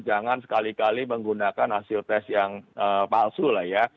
jangan sekali kali menggunakan hasil tes yang palsu lah ya